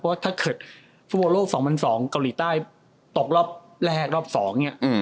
ว่าถ้าเกิดฟุตบอลโลก๒๐๐๒เกาหลีใต้ตกรอบแรกรอบ๒เนี่ย